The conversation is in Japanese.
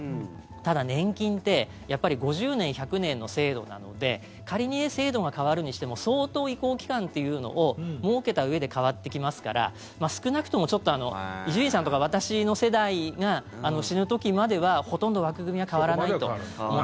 ただ、年金ってやっぱり５０年、１００年の制度なので仮に制度が変わるにしても相当、移行期間というのを設けたうえで変わっていきますから少なくとも、伊集院さんとか私の世代が死ぬ時まではほとんど枠組みは変わらないと思って。